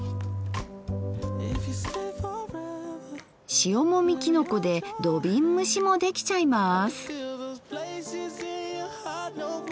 塩もみきのこで土瓶蒸しもできちゃいます。